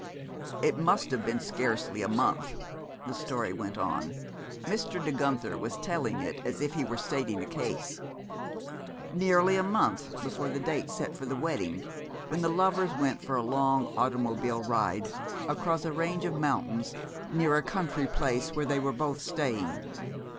"It must have been scarcely a month," the story went on Mr. De Guenther was telling it as if he were stating a case "nearly a month before the date set for the wedding, when the lovers went for a long automobile ride, across a range of mountains near a country place where they were both staying.